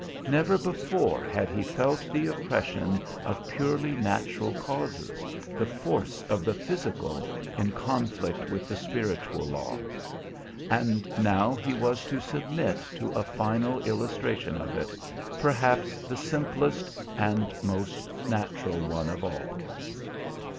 Never before had he felt the oppression of purely natural causes, the force of the physical in conflict with the spiritual law. And now he was to submit to a final illustration of it, perhaps the simplest and most natural one of all.